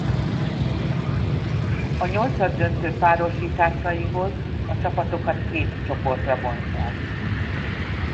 A nyolcaddöntő párosításaihoz a csapatokat két csoportra bontják.